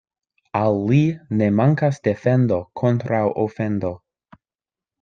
Al li ne mankas defendo kontraŭ ofendo.